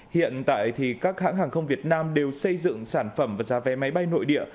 hiện tại các hãng hàng không việt nam đều xây dựng sản phẩm và giá vé máy bay nội địa